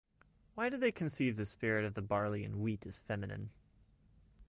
Why did they conceive the spirit of the barley and wheat as feminine.